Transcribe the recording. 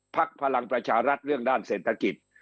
พลังประชารัฐเรื่องด้านเศรษฐกิจ